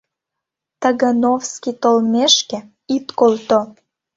Тагановский толмешке, ит колто.